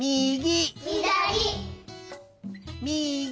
ひだり！みぎ！